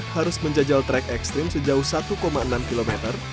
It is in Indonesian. harus menjajal trek ekstrim sejauh satu enam km